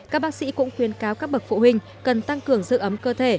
các bác sĩ cũng khuyên cáo các bậc phụ huynh cần tăng cường dự ấm cơ thể